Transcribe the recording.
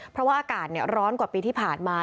เพราะว่าอากาศร้อนกว่าปีที่ผ่านมา